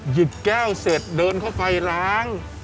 หยิบแก้วเสร็จเดินเข้าไปล้าง